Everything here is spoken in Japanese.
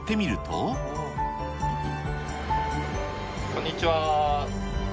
こんにちは。